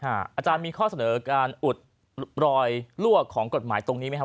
อาจารย์มีข้อเสนอการอุดรอยลวกของกฎหมายตรงนี้ไหมครับ